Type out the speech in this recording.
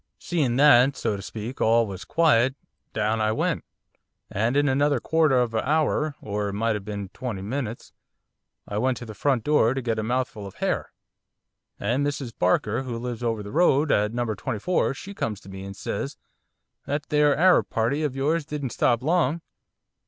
'Seeing that, so to speak, all was quiet, down I went again. And in another quarter of a hour, or it might 'ave been twenty minutes, I went to the front door to get a mouthful of hair. And Mrs Barker, what lives over the road, at No. 24, she comes to me and says, "That there Arab party of yours didn't stop long."